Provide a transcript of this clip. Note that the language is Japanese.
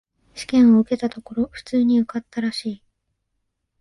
試験を受けたところ、普通に受かったらしい。